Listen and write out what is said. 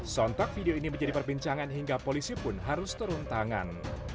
sontak video ini menjadi perbincangan hingga polisi pun harus turun tangan